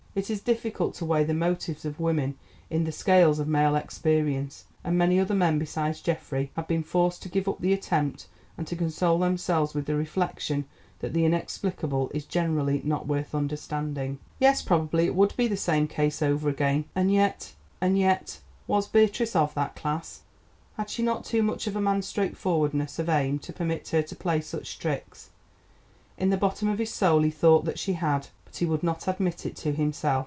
It is difficult to weigh the motives of women in the scales of male experience, and many other men besides Geoffrey have been forced to give up the attempt and to console themselves with the reflection that the inexplicable is generally not worth understanding. Yes, probably it would be the same case over again. And yet, and yet—was Beatrice of that class? Had she not too much of a man's straightforwardness of aim to permit her to play such tricks? In the bottom of his soul he thought that she had, but he would not admit it to himself.